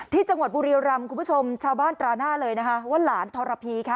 ที่จังหวัดบุรียรำคุณผู้ชมชาวบ้านตราหน้าเลยนะคะว่าหลานทรพีค่ะ